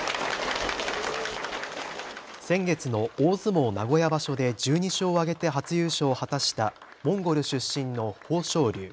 先月の大相撲名古屋場所で１２勝を挙げて初優勝を果たしたモンゴル出身の豊昇龍。